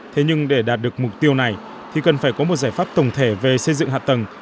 thế nhưng để đạt được mục tiêu này thì cần phải có một giải pháp tổng thể về xây dựng hạ tầng